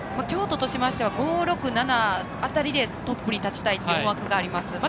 京都としましては５、６、７辺りでトップに立ちたいという思惑があります。